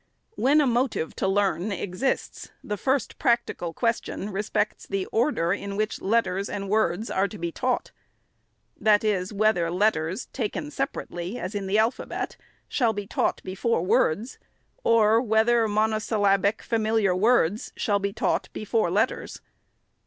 When a motive to learn exists, the first practical ques tion respects the order in which letters and words are to be taught ; i.e., whether letters, taken separately, as in the alphabet, shall be taught before words, or whether monosyllabic and familiar words shall be taught before letters.